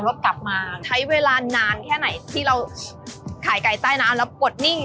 อ่ะขับรถกลับมาใช้เวลานานแค่ไหนที่เราขายไกลใต้น้ำแล้วปวดหนี้